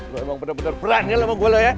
lu emang bener bener berani sama gue lu ya